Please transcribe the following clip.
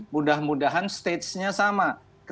mudah mudahan stage nya sama